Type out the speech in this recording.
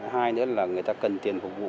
hai nữa là người ta cần tiền phục vụ